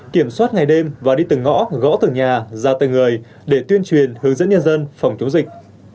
kiểm soát ngày đêm và đi từng ngõ gõ từng nhà ra từng người để tuyên truyền hướng dẫn nhân dân phòng chống dịch